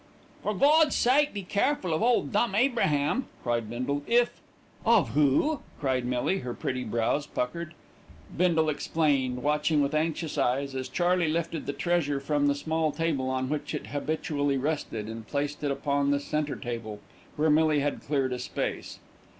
"For Gawd's sake be careful of Ole Dumb Abraham," cried Bindle. "If " "Of who?" cried Millie, her pretty brows puckered. Bindle explained, watching with anxious eyes as Charley lifted the treasure from the small table on which it habitually rested, and placed it upon the centre table, where Millie had cleared a space.